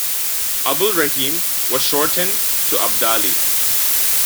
Abulraheem was shorten to Abdali.